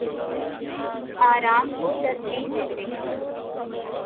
آرام کو ترجیح دیتے ہیں